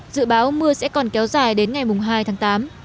dự báo mưa sẽ còn kéo dài đến ngày hai tháng tám